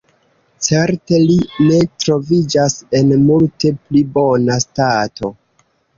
Certe li ne troviĝas en multe pli bona stato.